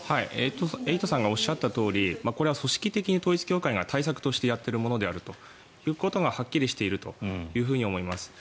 エイトさんがおっしゃったとおりこれは組織的に統一教会が対策としてやっているものであるということがはっきりしていると思います。